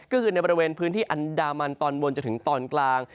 ก็คือในบริเวณพื้นที่อันดามันตอนบนจนถึงตอนกลาง